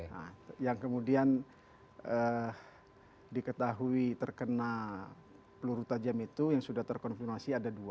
nah yang kemudian diketahui terkena peluru tajam itu yang sudah terkonfirmasi ada dua